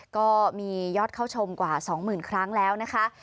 ก็มียอดเข้าชมกว่าสองหมื่นครั้งแล้วนะคะ